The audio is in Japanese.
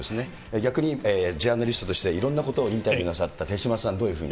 逆にジャーナリストとしていろんなことをインタビューなさった手嶋さん、どういうふうに？